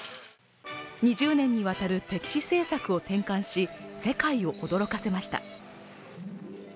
２０年にわたる敵視政策を転換し、世界を驚かせました。